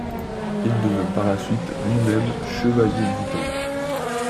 Il devint par la suite lui-même chevalier du Temple.